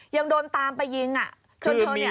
ยังโดนตามไปยิงจนเธอเนี่ย